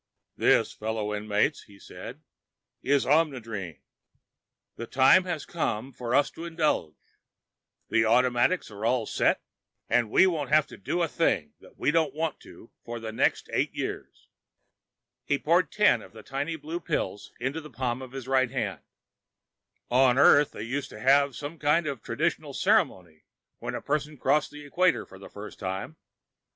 "This, fellow inmates," he said, "is Omnidrene. The time has come for us to indulge. The automatics are all set, we won't have to do a thing we don't want to for the next eight years." He poured ten of the tiny blue pills into the palm of his right hand. "On Earth, they used to have some kind of traditional ceremony when a person crossed the equator for the first time.